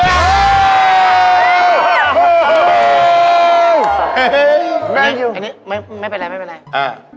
ย้าหูพูดธรรมดินี่ไม่เป็นไร